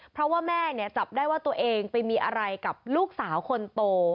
เพราะว่าแม่เนี่ยจับได้ว่าตัวเองไปมีอะไรกับลูกสาวคนโต